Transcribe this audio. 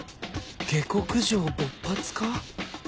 下克上勃発か？